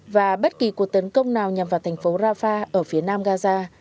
và bất kỳ cuộc tấn công nào nhằm vào thành phố rafah ở phía nam gaza